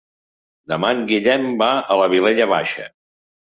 Demà en Guillem va a la Vilella Baixa.